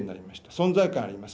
存在感あります。